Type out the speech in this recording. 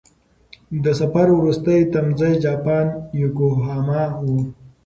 د سفر وروستی تمځی جاپان یوکوهاما و.